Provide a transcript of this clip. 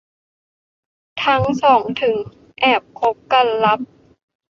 ทั้งสองถึงแอบคบกันลับ